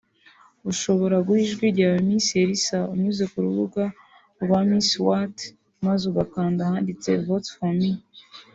ushobora guha ijwi ryawe Miss Elsa unyuze ku rubuga rwa Miss World maze ugakanda ahanditse “Vote For Me”